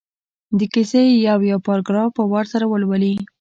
د کیسې یو یو پراګراف په وار سره ولولي.